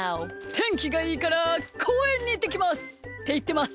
「てんきがいいからこうえんにいってきます」っていってます。